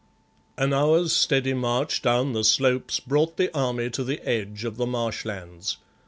An hour's steady march down the slopes brought the army to the edge of the marsh lands.